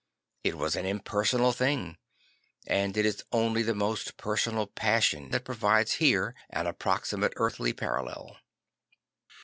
I t was an impersonal thing; and it is only the most personal passion that provides here an approximate earthly parallel.